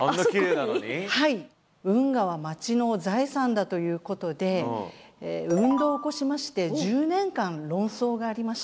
だということで運動を起こしまして１０年間論争がありました。